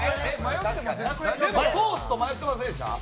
ソースと迷ってませんでした？